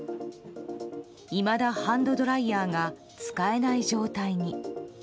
いまだハンドドライヤーが使えない状態に。